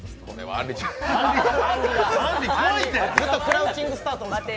ずっとクラウチングスタート。